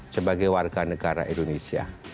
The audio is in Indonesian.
sebagai warga negara indonesia